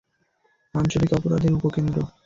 আঞ্চলিক অপরাধের উপকেন্দ্র।